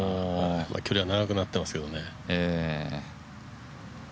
距離は長くなってますけどね。